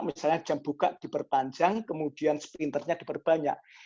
misalnya jam buka diperpanjang kemudian splinter nya diperbanyak